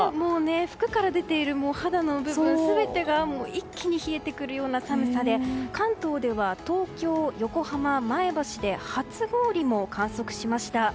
服から出ている肌の部分全てが一気に冷えてくるような寒さで関東では東京、横浜、前橋で初氷も観測しました。